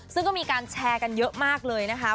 ซึ่งก็มีการแชร์กันเยอะมากเลยนะคะ